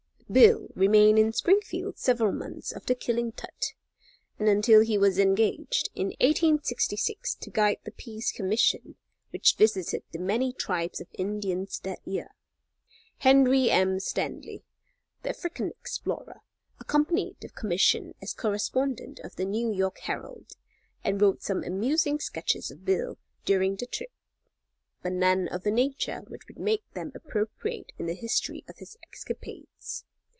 Bill remained in Springfield several months after killing Tutt, and until he was engaged, in 1866, to guide the Peace Commission, which visited the many tribes of Indians that year. Henry M. Stanley, the African explorer, accompanied the commission as correspondent of the New York Herald, and wrote some amusing sketches of Bill during the trip, but none of a nature which would make them appropriate in the history of his escapades.